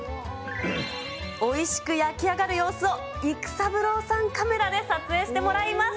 おいしく焼き上がる様子を育三郎さんカメラで撮影してもらいます。